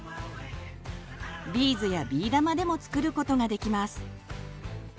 ビーズやビー玉でも作ることができます。